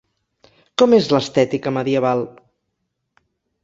Com és l'estètica medieval?